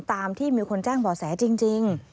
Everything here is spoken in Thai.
ตามที่มีคนแจ้งบ่อแสจริง